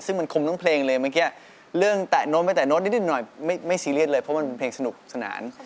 ซึ่งมันคมทั้งเพลงเลยเมื่อกี้เรื่องแตะโน้ตไม่แตะโน้ตนิดหน่อยไม่ซีเรียสเลยเพราะมันเป็นเพลงสนุกสนาน